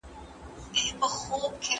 هغه له ما پوښتنه کوي.